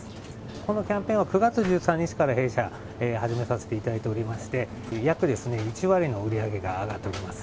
このキャンペーンは９月１３日から、弊社、始めさせていただいておりまして、約１割の売り上げが上がっております。